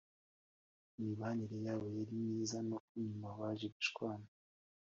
Imibanire yabo, yari myiza nuko nyuma baje gushwana